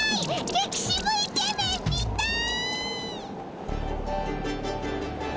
ゲキシブイケメン見たい！